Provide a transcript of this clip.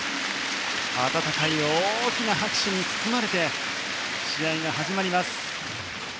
温かい大きな拍手に包まれて試合が始まります。